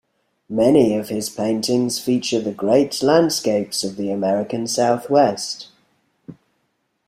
Many of his paintings feature the great landscapes of the American Southwest.